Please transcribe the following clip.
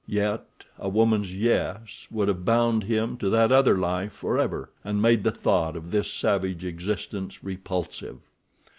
Yet a woman's "yes" would have bound him to that other life forever, and made the thought of this savage existence repulsive.